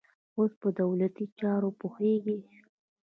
اوس په دولتي چارو پوهېږي.